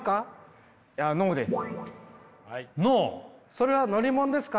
それは乗り物ですか？